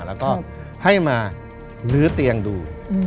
แล้วก็ให้มาลื้อเตียงดู